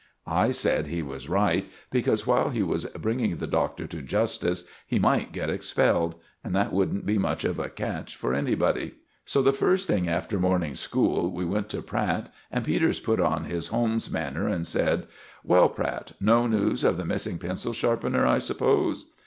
I said he was right, because, while he was bringing the Doctor to justice, he might get expelled, and that wouldn't be much of a catch for anybody. So the first thing after morning school we went to Pratt, and Peters put on his Holmes manner and said— "Well, Pratt, no news of the missing pencil sharpener, I suppose?"